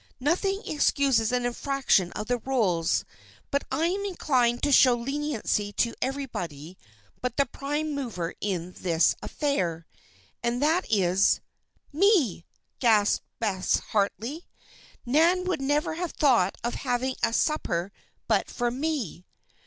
"Nothing excuses an infraction of the rules. But I am inclined to show leniency to everybody but the prime mover in this affair. And that is " "Me!" gasped Bess Harley. "Nan would never have thought of having a supper but for me."